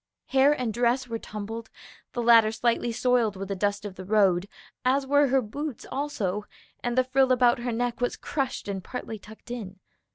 Hair and dress were tumbled, the latter slightly soiled with the dust of the road, as were her boots also, and the frill about her neck was crushed and partly tucked in.